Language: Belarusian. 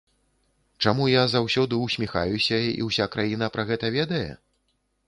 Чаму я заўсёды ўсміхаюся, і ўся краіна пра гэта ведае?